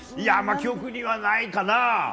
記憶にはないかな。